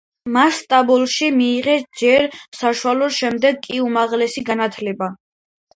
მან სტამბოლში მიიღო ჯერ საშუალო, შემდეგ კი უმაღლესი განათლება.